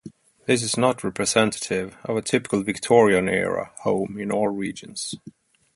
This is not representative of a typical Victorian-era home in all regions.